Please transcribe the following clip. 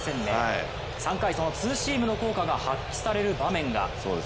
３回、そのツーシームの効果が発揮される場面が。